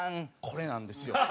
これなんですよ。